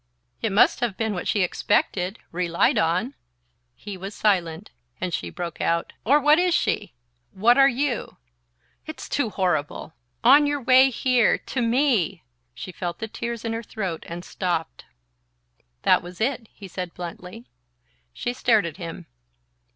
"It must have been what she expected ... relied on..." He was silent, and she broke out: "Or what is she? What are you? It's too horrible! On your way here ... to ME..." She felt the tears in her throat and stopped. "That was it," he said bluntly. She stared at him.